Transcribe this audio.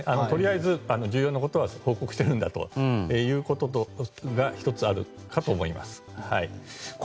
とりあえず重要なことは報告しているんだということが１つあるかと思います。